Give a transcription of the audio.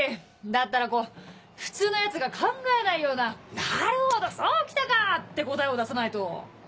だったらこう普通のヤツが考えないような「なるほどそう来たか！」って答えを出さないと。